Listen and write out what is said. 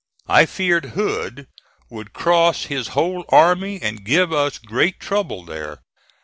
I feared Hood would cross his whole army and give us great trouble there.